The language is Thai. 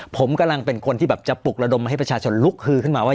ผมกำลังเป็นคนที่แบบจะปลุกระดมให้ประชาชนลุกฮือขึ้นมาว่า